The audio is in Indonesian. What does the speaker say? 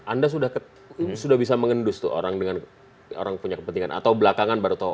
anda sudah bisa mengendus tuh orang dengan orang punya kepentingan atau belakangan baru tahu